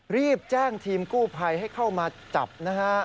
รีบแจ้งทีมกู้ภัยให้เข้ามาจับนะฮะ